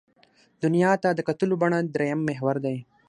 دنیا ته د کتلو بڼه درېیم محور دی.